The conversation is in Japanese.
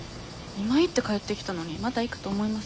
今行って帰ってきたのにまた行くと思います？